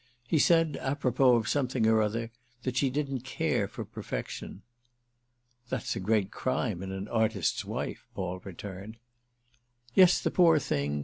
He said, apropos of something or other, that she didn't care for perfection." "That's a great crime in an artist's wife," Paul returned. "Yes, poor thing!"